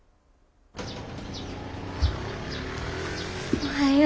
おはよう。